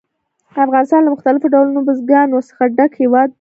افغانستان له مختلفو ډولونو بزګانو څخه ډک هېواد دی.